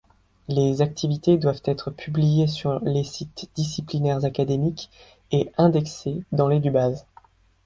Les activités doivent être publiées sur les sites disciplinaires académiques et indexées dans l'édubase.